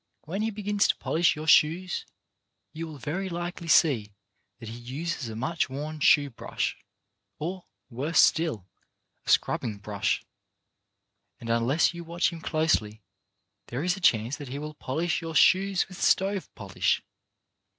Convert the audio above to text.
When he begins to polish your shoes you will very likely see that he uses a much worn shoe brush, or, worse still, a scrubbing brush, and unless you watch him closely there is a chance that he will polish your shoes with stove polish.